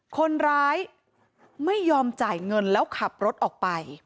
คนร้ายไม่ยอมจ่ายเงินแล้วขับรถออกไป